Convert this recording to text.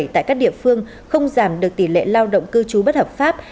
tại các địa phương không giảm được tỷ lệ lao động cư trú bất hợp pháp